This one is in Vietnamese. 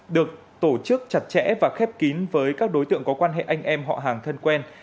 được tổ chức chặt chẽ và khép kín với các đối tượng có quan hệ anh em họ hàng thân quen